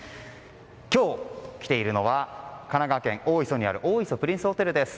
今日、来ているのは神奈川県大磯にある大磯プリンスホテルです。